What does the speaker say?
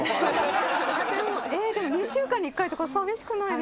えでも２週間に１回とかさみしくないですか？